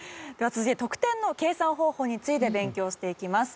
続いて得点の計算方法について勉強していきます。